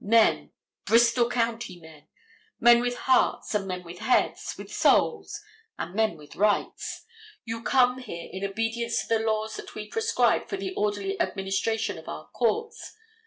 Men: Bristol county men. Men with hearts and men with heads, with souls, and men with rights. You come here in obedience to the laws that we prescribe for the orderly administration of our courts.